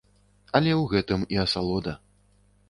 Але ў гэтым і асалода.